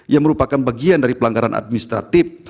yang merupakan bagian dari pelanggaran administratif